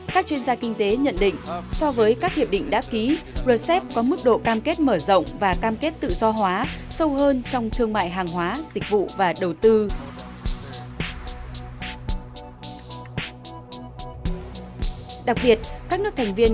các chuyên gia kinh tế nhận định so với các hiệp định đã ký rcep có mức độ cam kết mở rộng và cam kết tự do hóa sâu hơn trong thương mại hàng hóa dịch vụ và đầu tư